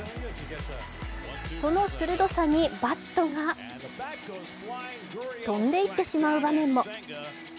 その鋭さにバットが飛んでいってしまう場面も。